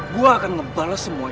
gue akan ngebales semuanya